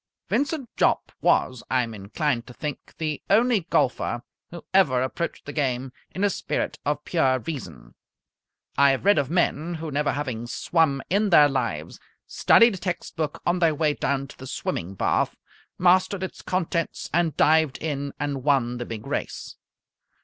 Vincent Jopp, was, I am inclined to think, the only golfer who ever approached the game in a spirit of Pure Reason. I have read of men who, never having swum in their lives, studied a text book on their way down to the swimming bath, mastered its contents, and dived in and won the big race.